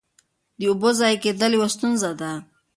د اوبو ضایع کېدل یوه ستونزه ده.